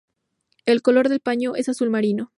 El color del paño es azul marino.